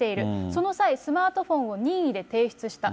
その際、スマートフォンを任意で提出した。